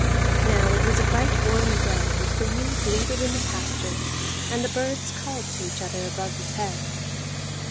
Now it was a bright warm day, and the ewe bleated in the pasture, and the birds called each other above his head.